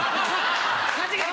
間違えた。